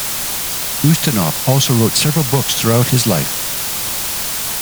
Ustinov also wrote several books throughout his life.